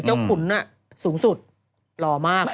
เจ้าขุนสูงสุดรอมาก